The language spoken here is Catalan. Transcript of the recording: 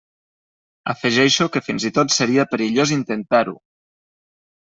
Afegeixo que fins i tot seria perillós intentar-ho.